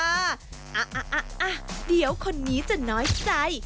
อ่ะเดี๋ยวคนนี้จะน้อยใจ